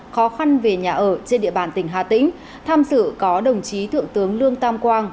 khó khăn về nhà ở trên địa bàn tỉnh hà tĩnh tham sự có đồng chí thượng tướng lương tam quang